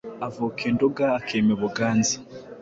Avuka i Nduga akima u Buganza